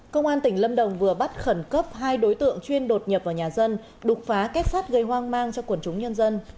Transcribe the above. công an tỉnh lâm đồng vừa bắt khẩn cấp hai đối tượng chuyên đột nhập vào nhà dân đục phá kết sát gây hoang mang cho quần chúng nhân dân